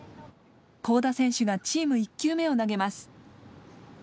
江田選手がチーム１球目を投げます。